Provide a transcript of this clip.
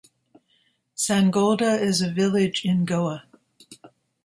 Sangolda is a village in Goa.